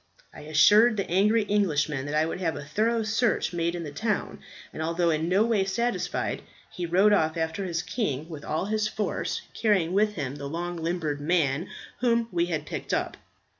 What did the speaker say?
I assured the angry Englishman that I would have a thorough search made in the town; and although in no way satisfied, he rode off after his king with all his force, carrying with him the long limbed man whom we had picked up.